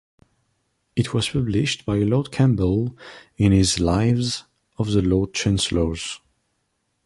It was published by Lord Campbell in his "Lives of the Lord Chancellors".